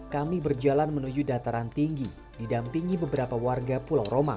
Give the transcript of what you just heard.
kami berjalan menuju dataran tinggi didampingi beberapa warga pulau romang